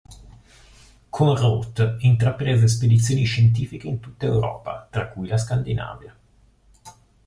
Con Roth, intraprese spedizioni scientifiche in tutta Europa, tra cui la Scandinavia.